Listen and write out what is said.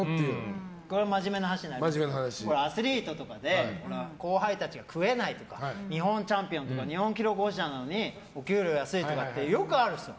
真面目な話になりますけどアスリートとかで後輩たちが食えないとか日本チャンピオンとか日本記録保持者なのにお給料が安いってよくあるんですよ。